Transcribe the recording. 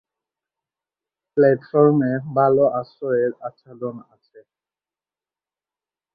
প্ল্যাটফর্মে ভাল আশ্রয়ের আচ্ছাদন আছে।